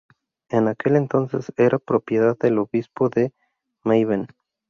En aquel entonces era propiedad del Obispo de Meißen.